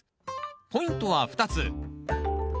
ポイントは２つ。